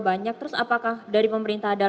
banyak terus apakah dari pemerintah ada